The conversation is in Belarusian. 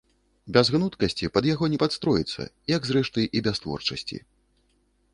Без гнуткасці пад яго не падстроіцца, як, зрэшты, і без творчасці!